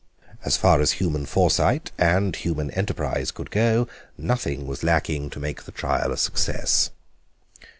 As far as human foresight and human enterprise could go nothing was lacking to make the trial a success.